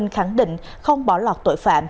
khẳng định không bỏ lọt tội phạm